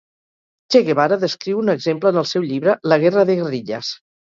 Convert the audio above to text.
Che Guevara descriu un exemple en el seu llibre "La Guerra de Guerrillas".